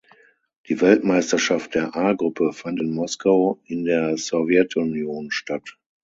Die Weltmeisterschaft der A-Gruppe fand in Moskau in der Sowjetunion statt.